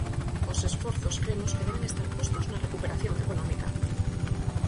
Os esforzos cremos que deben estar postos na recuperación económica.